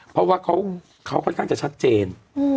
เพราะว่าเขาค่อนข้างจะชัดเจน